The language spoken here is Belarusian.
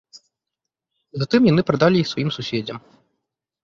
Затым яны прадалі іх сваім суседзям.